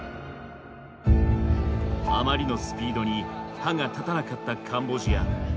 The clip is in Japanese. あまりのスピードに歯が立たなかったカンボジア。